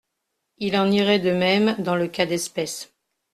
Il en irait de même dans le cas d’espèce.